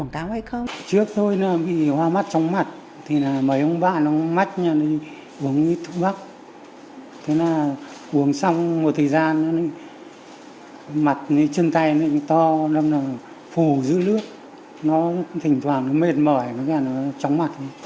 nó thỉnh thoảng mệt mỏi nó tróng mặt